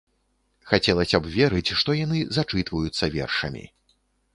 Хацелася б верыць, што яны зачытваюцца вершамі.